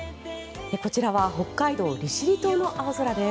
こちらは北海道・利尻島の青空です。